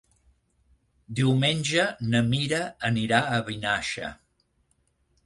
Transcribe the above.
Diumenge na Mira anirà a Vinaixa.